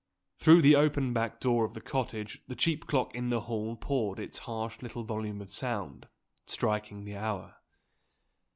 Through the open back door of the cottage the cheap clock in the hall poured its harsh little volume of sound, striking the hour.